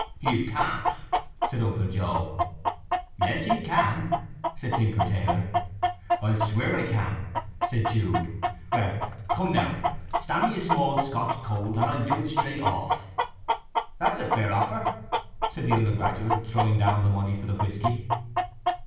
"You can't!" said Uncle Joe. "Yes, he can!" said Tinker Taylor. "I'll swear I can!" said Jude. "Well, come now, stand me a small Scotch cold, and I'll do it straight off." "That's a fair offer," said the undergraduate, throwing down the money for the whisky.